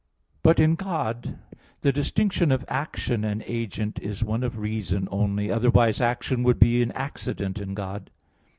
But in God the distinction of action and agent is one of reason only, otherwise action would be an accident in God.